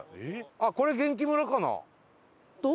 あっこれ元気村かな？